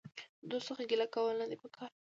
د دوست څخه ګيله کول نه دي په کار.